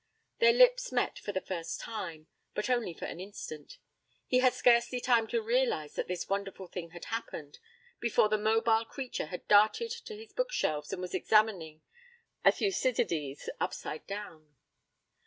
Their lips met for the first time, but only for an instant. He had scarcely time to realize that this wonderful thing had happened before the mobile creature had darted to his book shelves and was examining a Thucydides upside down.